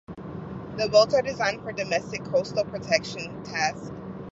The boats are designed for domestic coastal protection tasks.